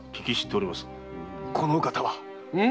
このお方は？